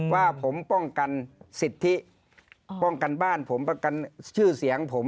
ว่าผมป้องกันสิทธิป้องกันบ้านผมประกันชื่อเสียงผม